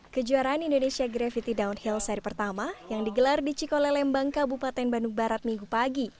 kejuaraan indonesia gravity downhill seri pertama yang digelar di cikolelembang kabupaten bandung barat minggu pagi